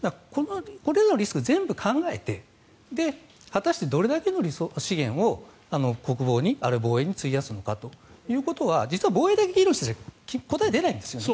これらのリスク全部考えてで、果たしてどれだけの資源を国防に、あるいは防衛に費やすのかということは実は防衛費だけでは答えが出ないんですよね。